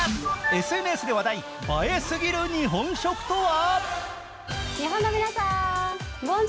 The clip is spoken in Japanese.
ＳＮＳで話題、映えすぎる日本食とは？